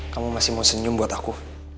kamu masih mau senyum buat aku